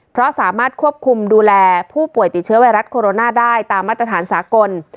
เพราะสามารถควบคุมดูแลผู้ป่วยติดเชื้อไวรัสโคโรนาได้ตามมาตรฐานสากล